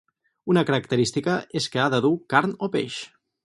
Una característica és que ha de dur carn o peix.